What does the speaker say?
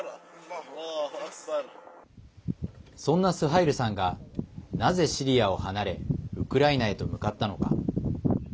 そんなスハイルさんがなぜシリアを離れウクライナへと向かったのか。